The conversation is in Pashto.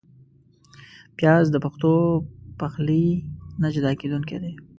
پیاز د پښتو پخلي نه جدا کېدونکی دی